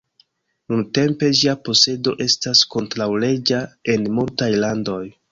Nuntempe ĝia posedo estas kontraŭleĝa en multaj landoj.